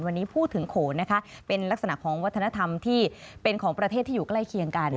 วันนี้พูดถึงโขนนะคะเป็นลักษณะของวัฒนธรรมที่เป็นของประเทศที่อยู่ใกล้เคียงกัน